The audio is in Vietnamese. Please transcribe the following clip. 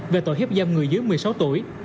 về tội hiếp dâm người dưới một mươi sáu tuổi